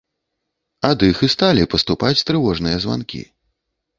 Ад іх і сталі паступаць трывожныя званкі.